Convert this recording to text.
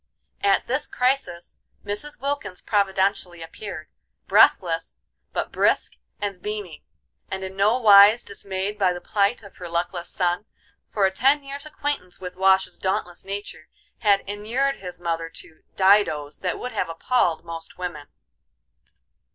At this crisis Mrs. Wilkins providentially appeared, breathless, but brisk and beaming, and in no wise dismayed by the plight of her luckless son, for a ten years' acquaintance with Wash's dauntless nature had inured his mother to "didoes" that would have appalled most women.